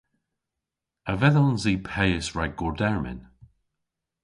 A vedhons i peys rag gordermyn?